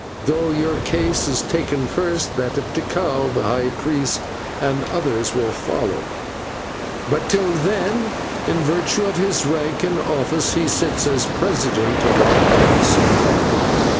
Though your case is taken first, that of Tikal the high priest and others will follow; but till then, in virtue of his rank and office, he sits as president of our Council."